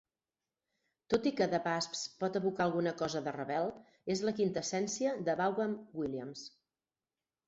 Tot i que "The Wasps" pot evocar alguna cosa de Ravel, és la quinta essència de Vaughan Williams.